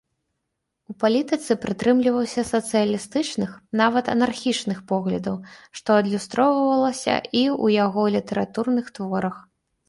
У палітыцы прытрымліваўся сацыялістычных, нават анархічных поглядаў, што адлюстроўвалася і ў яго літаратурных творах.